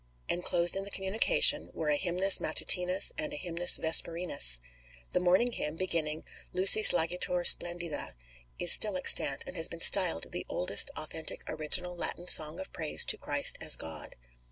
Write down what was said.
Enclosed in the communication were a hymnus matutinus and a hymnus vesperinus. The morning hymn, beginning Lucis largitor splendida, is still extant, and has been styled "the oldest authentic original Latin song of praise to Christ as God."